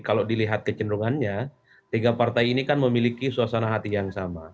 kalau dilihat kecenderungannya tiga partai ini kan memiliki suasana hati yang sama